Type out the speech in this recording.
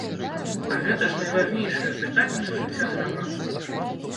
А гэта ж найважнейшае пытанне жыцця грамадства.